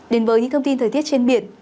đến với những thông tin thời tiết trên biển